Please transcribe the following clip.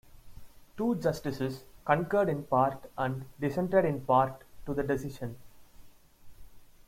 Two Justices concurred in part and dissented in part to the decision.